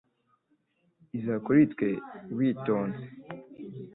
Iza kuri twe witonze.